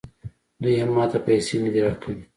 دوی هم ماته پیسې نه دي راکړي